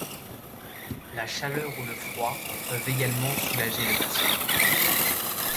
La chaleur ou le froid peuvent également soulager le patient.